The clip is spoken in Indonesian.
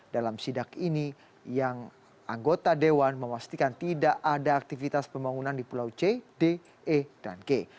dalam sidak ini yang anggota dewan memastikan tidak ada aktivitas pembangunan di pulau c d e dan g